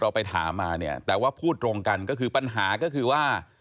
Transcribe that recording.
ไปถามมาเนี่ยแต่ว่าพูดตรงกันก็คือปัญหาก็คือว่า